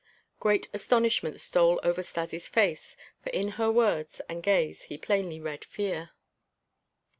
Great astonishment stole over Stas' face, for in her words and gaze he plainly read fear.